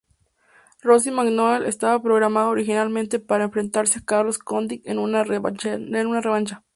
Rory MacDonald estaba programado originalmente para enfrentarse a Carlos Condit en una revancha.